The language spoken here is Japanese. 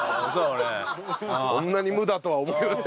あんなに無だとは思いません。